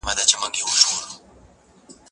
ته ولي پلان جوړوې!.